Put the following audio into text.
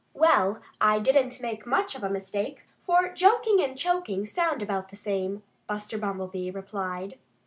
"Well, I didn't make much of a mistake; for joking and choking sound about the same," Buster Bumblebee replied.